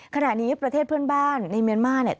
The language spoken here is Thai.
ขณะนี้ประเทศเพื่อนบ้านในเมียนมาร์เนี่ย